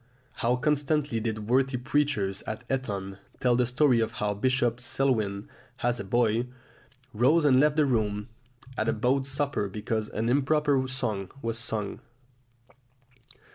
How constantly did worthy preachers at Eton tell the story of how Bishop Selwyn, as a boy, rose and left the room at a boat supper because an improper song was sung!